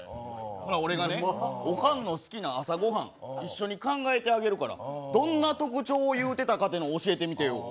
ほな、俺がね、おかんの好きな朝ごはん、一緒に考えてあげるから、どんな特徴を言うてたか教えてよ。